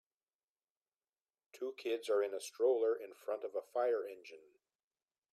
Two kids are in a stroller in front of a fire engine